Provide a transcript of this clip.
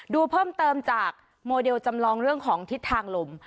ดูเพิ่มเติมจากโมเดลจำลองเรื่องของทิศทางลม